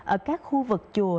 ở các khu vực chùa